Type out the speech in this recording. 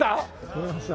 撮れました。